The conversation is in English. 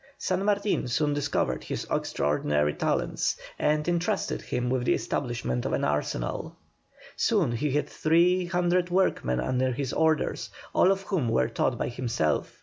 San Martin soon discovered his extraordinary talents, and entrusted him with the establishment of an arsenal. Soon he had three hundred workmen under his orders, all of whom were taught by himself.